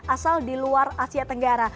asal di luar asia tenggara